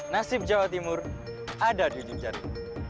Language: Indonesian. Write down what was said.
nasib jawa timur ada di ujung jari